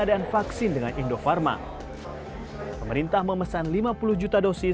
ada banyak yang mendukung pasarigtika di indonesia